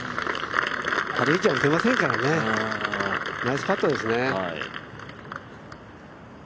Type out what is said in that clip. あれ以上打てませんからね、ナイスパットですね。